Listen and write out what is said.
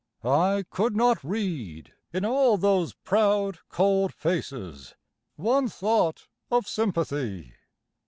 I could not read, in all those proud cold faces, One thought of sympathy.